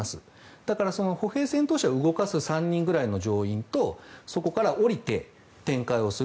だから歩兵戦闘車を動かす３人くらいの乗員とそこから降りて展開をする。